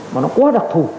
mà nó quá đặc thù